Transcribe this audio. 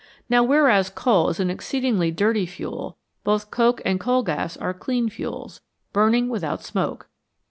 Now whereas coal is an exceedingly dirty fuel, both coke and coal gas are clean fuels, burning without smoke.